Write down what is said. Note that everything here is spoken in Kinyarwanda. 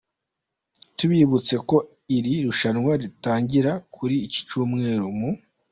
Tubibutse ko iri rushanwa ritangira kuri iki cyumweru mu.